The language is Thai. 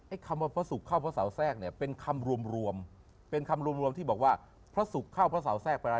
คำว่าพระศุกร์เข้าพระเสาแทรกเนี่ยเป็นคำรวมเป็นคำรวมที่บอกว่าพระศุกร์เข้าพระเสาแทรกไปแล้ว